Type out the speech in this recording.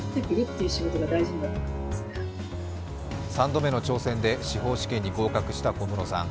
３度目の挑戦で司法試験に合格した小室さん。